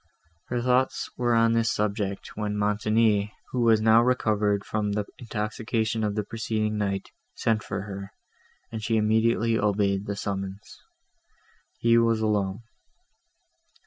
Her thoughts were on this subject, when Montoni, who was now recovered from the intoxication of the preceding night, sent for her, and she immediately obeyed the summons. He was alone.